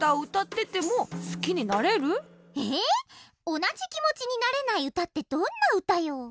おなじきもちになれないうたってどんなうたよ？